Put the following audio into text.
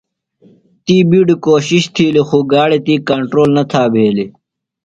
تی بِیڈیۡ کوشِش تِھیلیۡ خوۡ گاڑیۡ تی کنٹرول نہ تھا بھیلیۡ۔